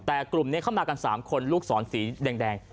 แต่กลุ่มในเขามากันสามคนลูกศรสีแดง